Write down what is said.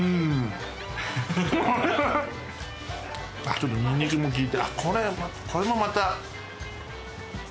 ちょっとニンニクも効いてあっこれ。